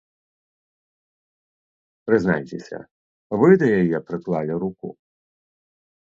Прызнайцеся, вы да яе прыклалі руку?